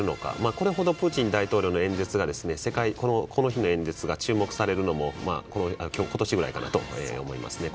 これほどプーチン大統領の演説が注目されるのも今年ぐらいかなと思いますね。